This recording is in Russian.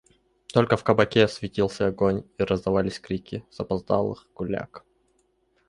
Только в кабаке светился огонь и раздавались крики запоздалых гуляк.